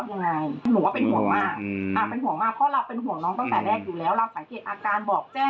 บอกแจ้งแจ้งตลอดเขารับรู้อีกอย่าง